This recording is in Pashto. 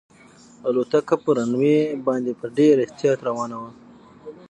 الوتکه په رن وې باندې په ډېر احتیاط روانه وه.